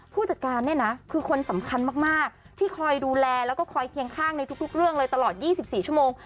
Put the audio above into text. ผู้จัดการเนี่ยนะคือคนสำคัญมากที่คอยดูแลแล้วก็คอยเคียงข้างในทุกเรื่องเลยตลอด๒๔ชั่วโมง